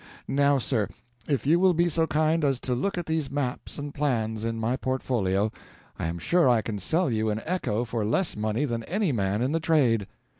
Now, sir, if you will be so kind as to look at these maps and plans in my portfolio, I am sure I can sell you an echo for less money than any man in the trade.